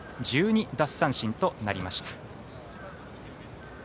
１２奪三振となりました。